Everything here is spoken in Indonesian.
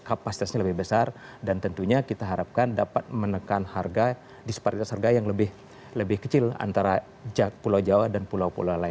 kapasitasnya lebih besar dan tentunya kita harapkan dapat menekan harga disparitas harga yang lebih kecil antara pulau jawa dan pulau pulau lain